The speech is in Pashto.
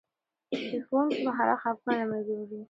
د ښوونکي مهارت خفګان له منځه وړي.